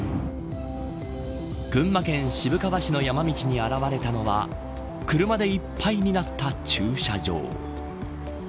群馬県渋川市の山道に現れたのは車でいっぱいになった駐車場。